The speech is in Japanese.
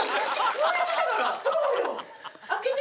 そうよ！